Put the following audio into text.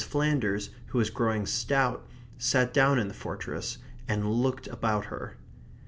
Flanders, who was growing stout, sat down in the fortress and looked about her.